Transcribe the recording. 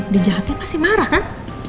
di jahatin masih marah kan